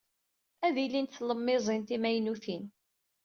Ad ilint tlemmiẓin timaynutin.